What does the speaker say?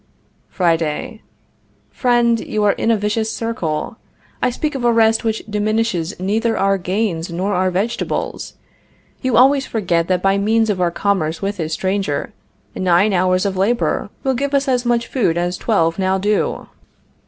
Friday. Friend, you are in a vicious circle. I speak of a rest which diminishes neither our gains nor our vegetables. You always forget that by means of our commerce with this stranger, nine hours of labor will give us as much food as twelve now do.